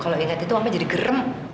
kalau ingat itu mama jadi gerem